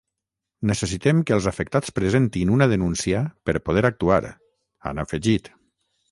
“Necessitem que els afectats presentin una denúncia per poder actuar”, han afegit.